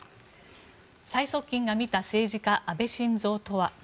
最側近が見た政治家安倍晋三とは。